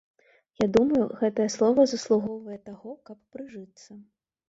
Я думаю, гэтае слова заслугоўвае таго, каб прыжыцца.